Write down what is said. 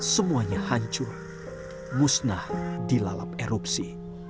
semuanya hancur musnah dilalap erupsi